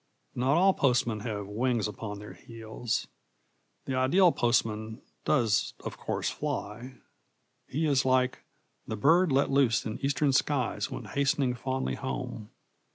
Not all postmen have wings upon their heels. The ideal postman does of course fly. He is like The bird let loose in eastern skies When hastening fondly home.